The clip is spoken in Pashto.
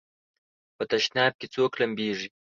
په تشناب کې څوک لمبېږي؟